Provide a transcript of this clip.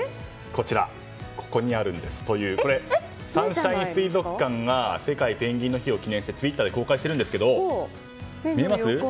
こちらはサンシャイン水族館が世界ペンギンの日を記念してツイッターで公開しているんですが見えます？